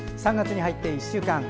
３月に入って１週間。